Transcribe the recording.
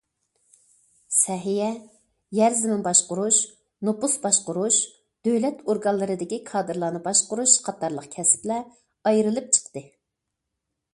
سەھىيە، يەر- زېمىن باشقۇرۇش، نوپۇس باشقۇرۇش، دۆلەت ئورگانلىرىدىكى كادىرلارنى باشقۇرۇش قاتارلىق كەسىپلەر ئايرىلىپ چىقتى.